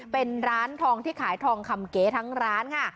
เป็นร้านทองที่ขายทองคำเก๋ทั้งร้านค่ะ